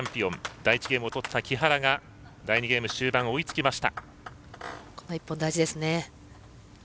第１ゲームを取った木原が終盤追いつきました。